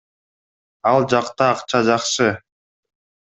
Ал жакта акча жакшы.